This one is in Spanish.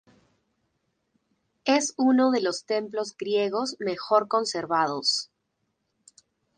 Es uno de los templos griegos mejor conservados.